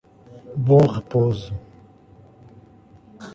Bom Repouso